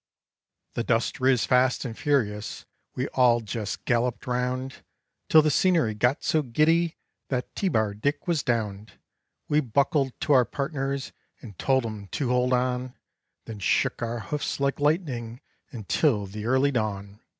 The dust riz fast and furious; we all jes galloped round, Till the scenery got so giddy that T Bar Dick was downed. We buckled to our partners and told 'em to hold on, Then shook our hoofs like lightning until the early dawn.